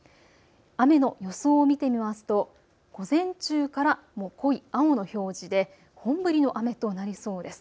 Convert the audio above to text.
雨の予想を見てみますと午前中からもう濃い青の表示で本降りの雨となりそうです。